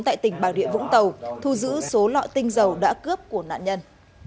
tại tỉnh bảo đệ vũng tàu thu giữ số lọ tinh dầu đã cướp của nạn nhân